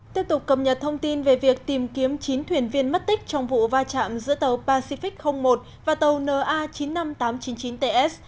tiếp tục cập nhật thông tin về việc tìm kiếm chín thuyền viên mất tích trong vụ va chạm giữa tàu pacific một và tàu na chín mươi năm nghìn tám trăm chín mươi chín ts